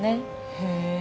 へえ。